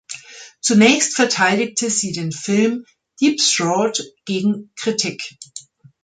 Zunächst verteidigte sie den Film „Deep Throat“ gegen Kritik.